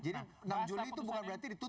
jadi enam juli itu bukan berarti ditutup